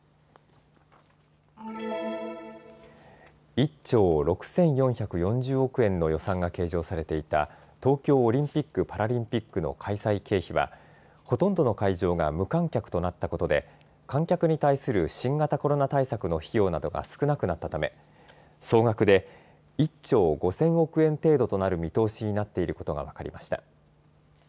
１兆６４４０億円の予算が計上されていた東京オリンピック・パラリンピックの開催経費はほとんどの会場が無観客となったことで観客に対する新型コロナ対策の費用などが少なくなったため総額で１兆５０００億円程度となる見通しになっていることが分かりました。